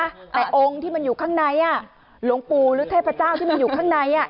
แต่องค์ที่มันอยู่ข้างในอ่ะหลวงปู่หรือเทพเจ้าที่มันอยู่ข้างในอ่ะ